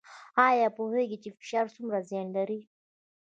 ایا پوهیږئ چې فشار څومره زیان لري؟